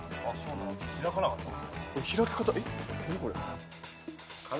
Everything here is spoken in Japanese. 開かなかったね。